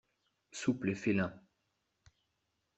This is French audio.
Souple et félin